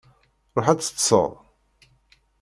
Ṛuḥ ad teṭṭseḍ!